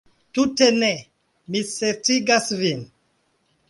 Tute ne, mi certigas vin!